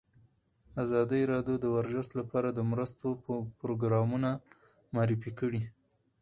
ازادي راډیو د ورزش لپاره د مرستو پروګرامونه معرفي کړي.